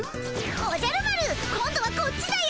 おじゃる丸今度はこっちだよ。